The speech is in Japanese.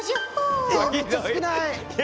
えめっちゃ少ない。